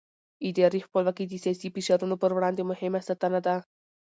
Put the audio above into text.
اداري خپلواکي د سیاسي فشارونو پر وړاندې مهمه ساتنه ده